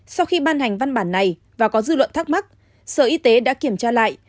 sau khi ban hành văn bản này và có dư luận thắc mắc sở y tế đã kiểm tra lại